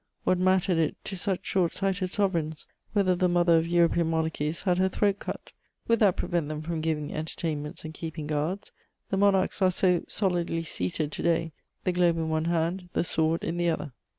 What mattered it to such short sighted sovereigns whether the mother of European monarchies had her throat cut? Would that prevent them from giving entertainments and keeping guards? The monarchs are so solidly seated to day, the globe in one hand, the sword in the other!